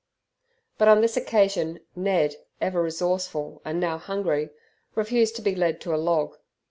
But on this occasion Ned, ever resourceful and now hungry, refused to be led to a log.